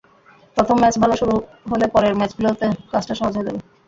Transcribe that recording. প্রথম ম্যাচে ভালো শুরু হলে পরের ম্যাচগুলোতে কাজটা সহজ হয়ে যাবে।